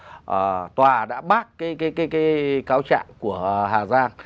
và tòa đã bác cái cáo trạng của hà giang